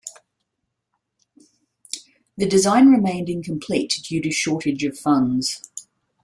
The design remained incomplete due to shortage of funds.